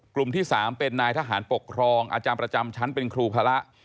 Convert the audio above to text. กลุ่มที่๓เป็นนายทหารปกครองอาจารย์ประจำชั้นเป็นครูพระ